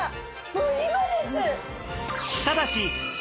もう今です！